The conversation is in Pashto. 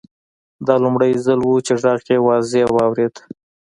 دا لومړی ځل و چې غږ یې واضح واورېد